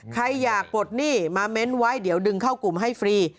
ใครอยากปลดหนี้มาเม้นไว้เดี๋ยวดึงเข้ากลุ่มให้ฟรี